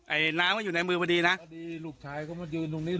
ไอ้น้ำมันอยู่ในมือพอดีนะพอดีลูกชายเขามายืนตรงนี้